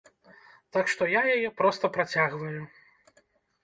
Так што я яе проста працягваю.